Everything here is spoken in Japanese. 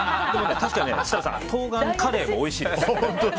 確かに設楽さん、冬瓜カレーもおいしいです。